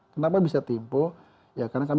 kenapa bisa tempo ya karena kami